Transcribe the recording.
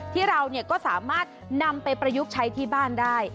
ที่เราก็สามารถนำไปประยุกต์ใช้ที่บ้านได้